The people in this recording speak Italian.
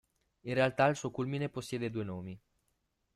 In realtà il suo culmine possiede due nomi.